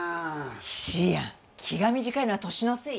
菱やん気が短いのは年のせい？